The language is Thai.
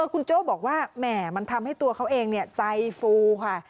คุณโจ้บอกว่าแหม่มันทำให้ตัวเขาเองใจฟูค่ะ